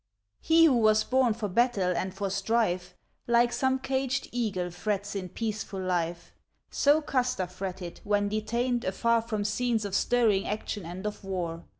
He who was born for battle and for strife Like some caged eagle frets in peaceful life; So Custer fretted when detained afar From scenes of stirring action and of war.